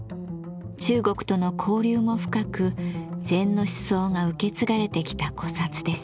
中国との交流も深く禅の思想が受け継がれてきた古刹です。